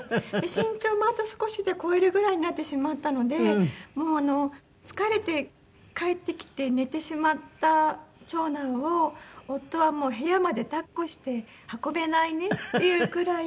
身長もあと少しで超えるぐらいになってしまったのでもうあの疲れて帰ってきて寝てしまった長男を夫はもう部屋まで抱っこして運べないねっていうくらい。